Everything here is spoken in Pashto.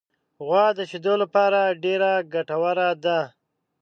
غوا د شیدو لپاره ډېره ګټوره ده.